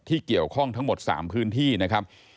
เกี่ยวข้องทั้งหมด๓พื้นที่นะครับ